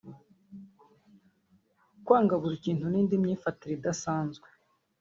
kwanga buri kintu n’indi myifatire idasanzwe